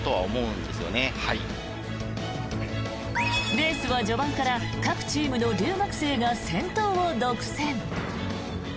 レースは序盤から各チームの留学生が先頭を独占。